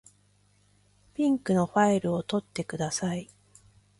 ピンクのファイルを取ってください。